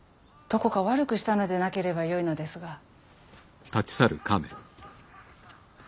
どこか悪くしたのでなければよいのですが。